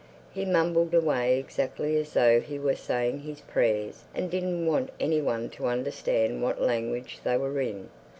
He mumbled away exactly as though he were saying his prayers and didn't want any one to understand what language they were in.